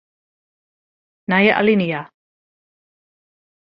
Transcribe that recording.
Nije alinea.